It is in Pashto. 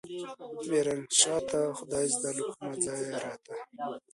ميرانشاه ته خدايزده له کوم ځايه راته.